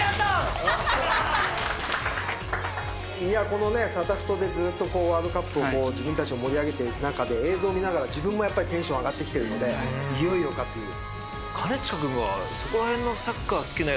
この『サタフト』でずっとワールドカップを自分たち盛り上げていく中で映像見ながら自分もやっぱりテンション上がってきてるのでいよいよかという。